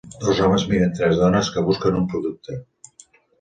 Dos homes miren tres dones que busquen un producte.